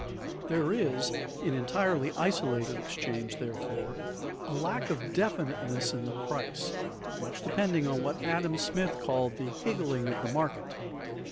There is, in entirely isolated exchange, therefore, a lack of definiteness in the price, much depending on what Adam Smith called the "higgling of the market."